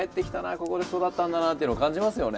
ここで育ったんだなっていうの感じますよね。